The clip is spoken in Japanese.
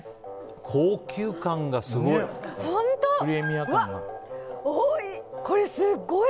高級感がすごい！